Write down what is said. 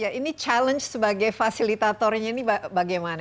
ya ini challenge sebagai fasilitatornya ini bagaimana